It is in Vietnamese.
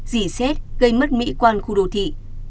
rỉ xét gây mất mỹ quan khu đô thị